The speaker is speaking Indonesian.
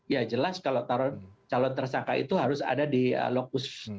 ya jelas kalau calon tersangka itu harus ada di lokus